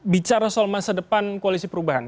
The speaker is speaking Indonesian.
bicara soal masa depan koalisi perubahan